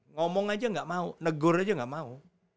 ngomong aja gak mau negur aja gak mau